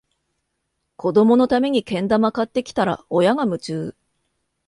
子どものためにけん玉買ってきたら、親が夢中